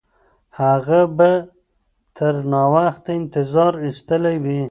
هغه به تر ناوخته انتظار ایستلی وي.